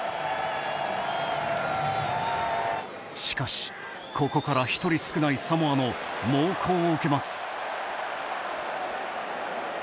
しかし、ここから１人少ないサモアの猛攻を受けます。